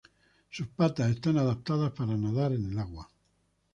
Sus patas están adaptadas para nadar en el agua.